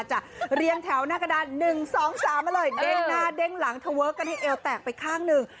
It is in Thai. จะเรียงแถวหน้ากระดาน๑๒๓มาเลยเด้งหน้าเด้งหลังทะเวิร์คกันให้เอวแตกไปข้างหนึ่ง